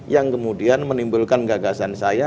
yang kemudian menimbulkan gagasan saya